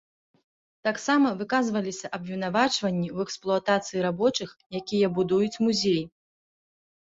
Таксама выказваліся абвінавачванні ў эксплуатацыі рабочых, якія будуюць музей.